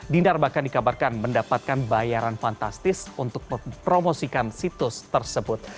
dindar bahkan dikabarkan mendapatkan bayaran fantastis untuk mempromosikan situs tersebut